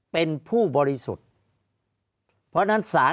ภารกิจสรรค์ภารกิจสรรค์